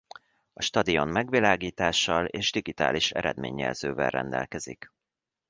A stadion megvilágítással és digitális eredményjelzővel rendelkezik.